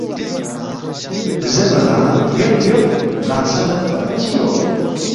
زیربا نہ ”یود یود برانگسہ میدپا چِہ یو